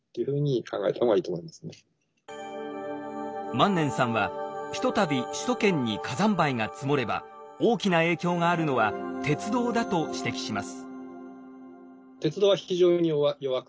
萬年さんはひとたび首都圏に火山灰が積もれば大きな影響があるのは鉄道だと指摘します。